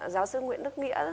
giáo sư nguyễn đức nghĩa